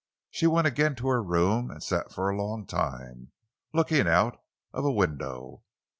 She went again to her room and sat for a long time, looking out of a window.